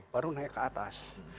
baru naik ke atas